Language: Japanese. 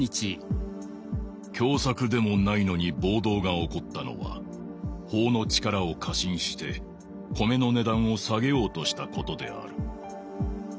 「凶作でもないのに暴動が起こったのは法の力を過信して米の値段を下げようとしたことである」。